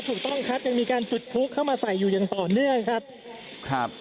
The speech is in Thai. ถูกต้องครับยังมีการจุดพลุเข้ามาใส่อยู่อย่างต่อเนื่องครับครับ